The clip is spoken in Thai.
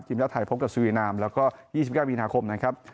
ทีมชาติไทยพบกับสวีนามแล้วก็๒๙มีนาคมนะครับ